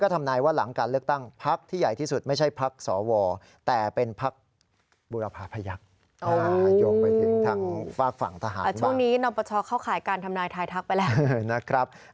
ทั้งภาคการเมืองต่างกันบ้างนะครับ